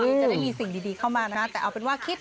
แล้วก็ไม่มีแรงเหมือนครูบาร์อาจารย์แบบ